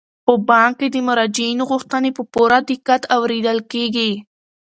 په بانک کې د مراجعینو غوښتنې په پوره دقت اوریدل کیږي.